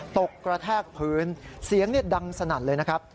กระแทกพื้นเสียงดังสนั่นเลยนะครับ